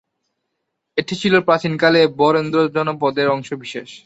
এটি ছিল প্রাচীন কালে বরেন্দ্র জনপদের অংশ বিশেষ।